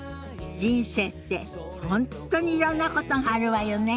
人生って本当にいろんなことがあるわよね。